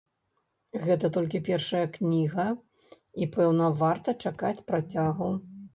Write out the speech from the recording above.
Гэта толькі першая кніга, і пэўна, варта чакаць працягу.